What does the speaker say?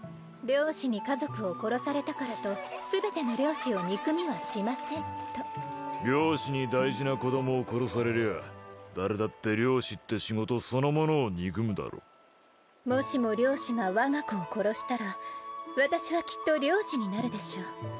猟師に家族を殺されたからと全ての猟師を憎みはしませんと猟師に大事な子供を殺されりゃ誰だって猟師って仕事そのものを憎むだろもしも猟師が我が子を殺したら私はきっと猟師になるでしょう